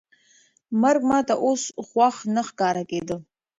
مرګ ما ته اوس ګواښ نه ښکاره کېده.